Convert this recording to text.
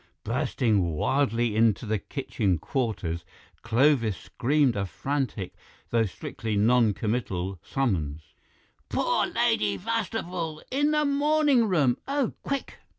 Bursting wildly into the kitchen quarters, Clovis screamed a frantic though strictly non committal summons: "Poor Lady Bastable! In the morning room! Oh, quick!"